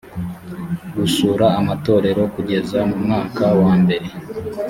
gusura amatorero kugeza mu mwaka wambere